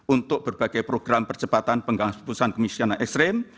untuk berbagai program percepatan penggalangan keputusan kemiskinan ekstrim